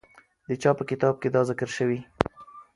د چا په کتاب کې دا ذکر سوی؟